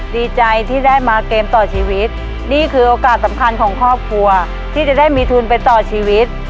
ดีใจที่ได้มาเกมต่อชีวิตนี่คือโอกาสสำคัญของครอบครัวที่จะได้มีทุนไปต่อชีวิต